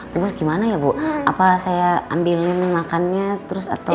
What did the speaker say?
bu bos gimana ya bu apa saya ambilin makannya terus atau